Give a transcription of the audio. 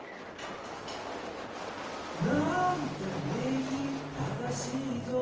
「なあんだ礼儀正しいぞ」